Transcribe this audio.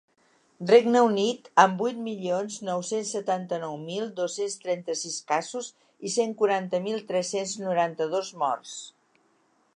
Regne Unit, amb vuit milions nou-cents setanta-nou mil dos-cents trenta-sis casos i cent quaranta mil tres-cents noranta-dos morts.